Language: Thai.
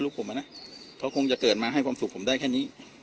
ผมอะนะเขาคงจะเกิดมาให้ความสุขผมได้แค่นี้